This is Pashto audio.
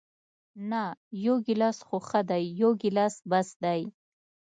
نه، یو ګیلاس خو ښه دی، یو ګیلاس بس دی.